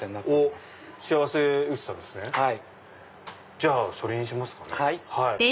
じゃあそれにします。